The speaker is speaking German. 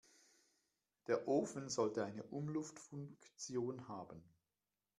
Der Ofen sollte eine Umluftfunktion haben.